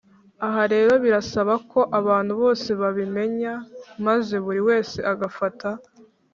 aha rero birasaba ko abantu bose babimenya, maze buri wese agafata